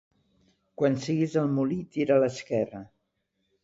Quan siguis al molí, tira a l'esquerra.